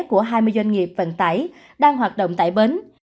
của hai mươi doanh nghiệp vận tải đang hoạt động tại bến